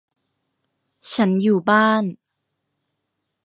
ฉันอยู่บ้าน